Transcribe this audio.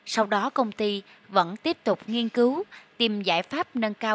sau đó công ty vẫn tiếp tục nghiên cứu tìm giải pháp nâng cao